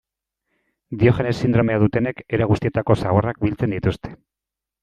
Diogenes sindromea dutenek era guztietako zaborrak biltzen dituzte.